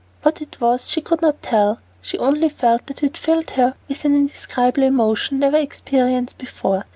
What it was she could not tell; she only felt that it filled her with an indescribable emotion never experienced before.